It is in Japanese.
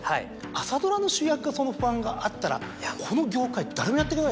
朝ドラの主役がその不安があったらこの業界誰もやってけないですよ。